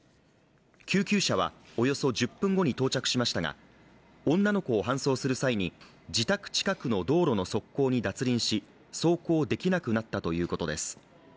救急車はおよそ１０分後に到着しましたが、女の子を搬送する際に自宅近くの道路の側溝に脱輪し走行できなくなったということです。